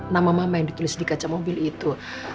nama nama yang ditulis di kaca mobil itu